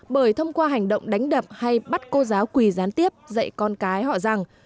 bởi thông qua hành động đánh đập hay bắt cô giáo quỳ gián tiếp dạy con cái họ rằng